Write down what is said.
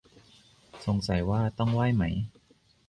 สงสัยว่าต้องไหว้ไหม